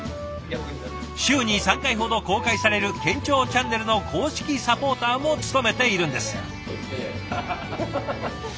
週に３回ほど公開される県庁チャンネルの公式サポーターも務めているんです。